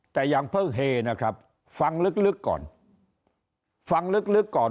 แต่อย่างเพิ่งเหนะครับฟังลึกก่อน